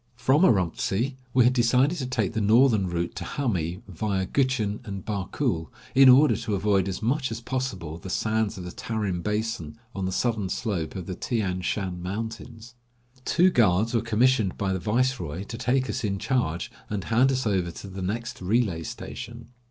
I 175 l From Urumtsi we had decided to take the northern route to Hami, via Gutchen and Barkul, in order to avoid as much as possible the sands of the Tarim basin on the southern slope of the Tian Shan mountains. Two guards were commissioned by the viceroy to take us in charge, and hand us over to the next relay station.